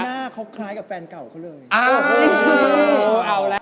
หน้าเค้าคล้ายกับแฟนเก่าเค้าเลย